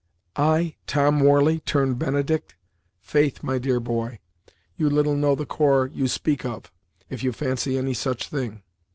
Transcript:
"I, Tom Warley, turn Benedict! Faith, my dear boy, you little know the corps you speak of, if you fancy any such thing.